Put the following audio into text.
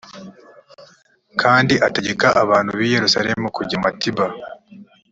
kandi ategeka abantu b i yerusalemu kujya matiba